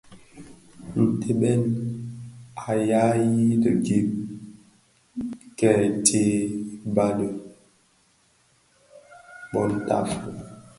Ntèbèn a dhiyaï di gib dio kè tsee bali i bon tafog.